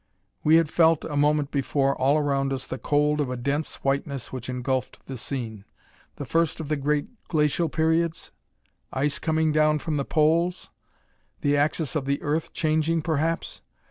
We had felt, a moment before, all around us, the cold of a dense whiteness which engulfed the scene. The first of the great Glacial periods? Ice coming down from the Poles? The axis of the Earth changing perhaps?